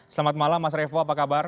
selamat malam mas revo apa kabar